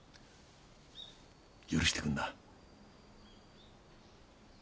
許してくんな。